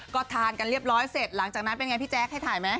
ก็ทานกันเรียบร้อยเสร็จหลังจากนั้นเป็นไงพี่แจ๊คให้ถ่ายไหม